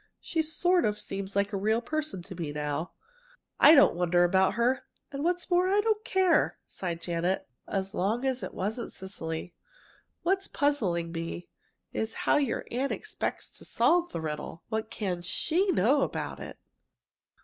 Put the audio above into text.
She sort of seems like a real person to me now." "I don't wonder about her, and what's more, I don't care," sighed Janet. "As long as it wasn't Cecily. What's puzzling me is how your aunt expects to solve the riddle? What can she know about it?"